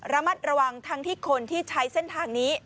ระมัดระวังทั้งที่คนที่ใช้เส้นทางนี้